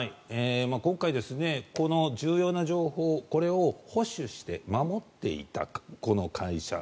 今回、この重要な情報これを保守して守っていた会社。